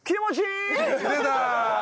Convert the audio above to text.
出た！